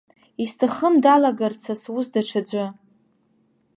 Исҭахым далагарц са сус даҽаӡәы.